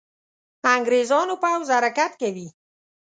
انګرېزانو پوځ حرکت کوي.